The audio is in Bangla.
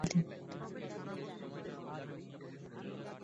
তিনি আল-হাশিম বংশের সদস্য ছিলেন।